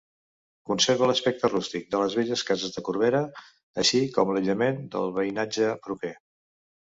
Conserva l'aspecte rústic de les velles cases de Corbera, així com l'aïllament del veïnatge proper.